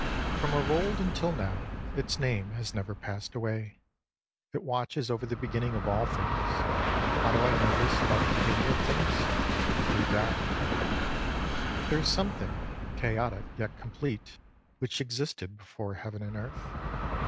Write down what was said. From of old until now, its name has never passed away. It watches over the beginning of all things. How do I know this about the beginning of things ? Through Tao. There is something, chaotic yet complete, which existed before Heaven and Earth.